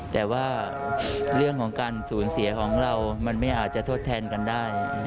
แต่ว่าเรื่องของการสูญเสียของเรามันไม่อาจจะทดแทนกันได้